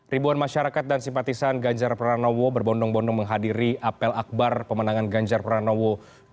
ribuan masyarakat dan simpatisan ganjar pranowo berbondong bondong menghadiri apel akbar pemenangan ganjar pranowo dua ribu dua puluh